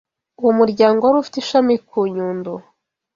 Uwo muryango wari ufite ishami ku Nyundo